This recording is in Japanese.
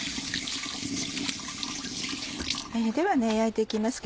では焼いて行きます。